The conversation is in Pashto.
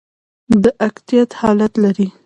د اکتیت حالت لري.